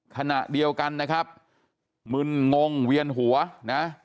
ขณะเดียวกันนะครับมึนงงเวียนหัวนะ